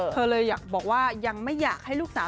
เธอเลยอยากบอกว่ายังไม่อยากให้ลูกสาว